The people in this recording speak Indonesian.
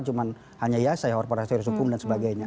cuma hanya ya saya orpon rasionalis hukum dan sebagainya